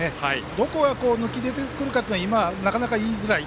どこが抜け出てくるかというのは今、なかなか言いづらい。